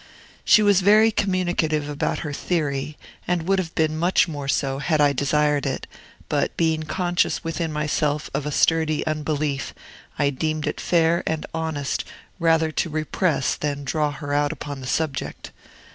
She was very communicative about her theory, and would have been much more so had I desired it; but, being conscious within myself of a sturdy unbelief, I deemed it fair and honest rather to repress than draw her out upon the subject.